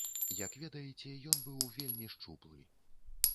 Як ведаеце, ён быў вельмі шчуплы.